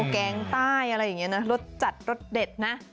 แกงใต้อะไรอย่างนี้นะรสจัดรสเด็ดนะ